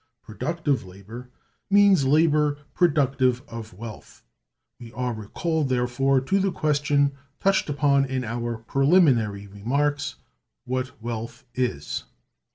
Productive labor means labor productive of wealth. We are recalled, therefore, to the question touched upon in our [Preliminary Remarks], what Wealth is.